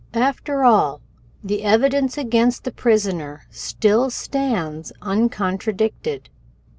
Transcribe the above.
"After all, the evidence against the prisoner still stands uncontradicted.